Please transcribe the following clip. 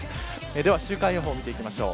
では週間予報を見ていきましょう。